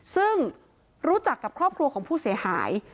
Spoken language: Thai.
ซึ่งรู้จักกับครอบครัวของผู้เสียหาย